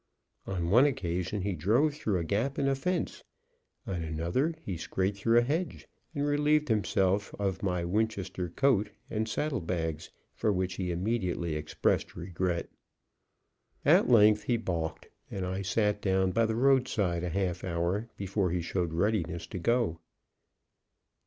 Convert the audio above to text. On one occasion he drove through a gap in a fence; on another, he scraped through a hedge and relieved himself of my Winchester, coat and saddle bags, for which he immediately expressed regret. At length, he balked; and I sat down by the road side a half hour before he showed readiness to go.